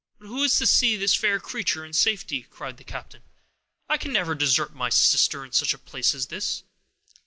"But who is to see this fair creature in safety?" cried the captain. "I can never desert my sister in such a place as this."